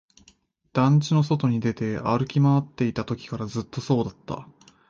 団地の外に出て、歩き回っていたときからずっとそうだった